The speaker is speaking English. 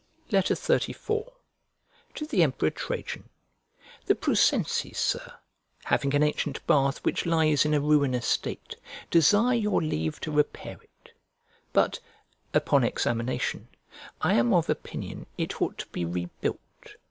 XXXIV To THE EMPEROR TRAJAN THE PRUSENSES, Sir, having an ancient bath which lies in a ruinous state, desire your leave to repair it; but, upon examination, I am of opinion it ought to be rebuilt.